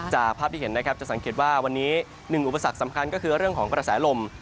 จากภาพที่เห็นจะสังเกตว่าวันนี้อุปสรรคสำคัญคือภาษาลม